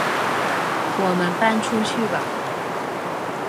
我们搬出去吧